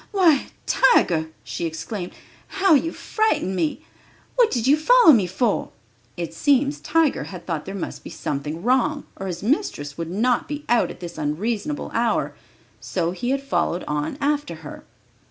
"Why, Tiger," she exclaimed, "how you frightened me! What did you follow me for?" It seems Tiger had thought there must be something wrong, or his mistress would not be out at this unreasonable hour, so he had followed on after her.